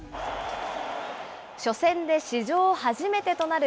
初戦で史上初めてとなる